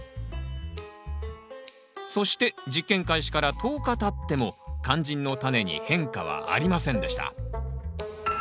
そして実験開始から１０日たっても肝心のタネに変化はありませんでした。